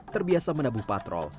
terbiasa menabuh patrol